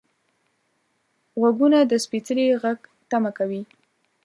غوږونه د سپیڅلي غږ تمه کوي